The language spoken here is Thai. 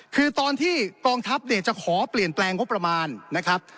คือตอนที่กองทัพเนี่ยจะขอเปลี่ยนแปลงงบประมาณนะครับ